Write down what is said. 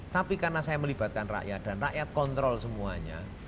tapi karena saya melibatkan rakyat dan rakyat kontrol semuanya